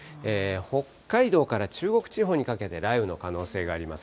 北海道から中国地方にかけて雷雨の可能性があります。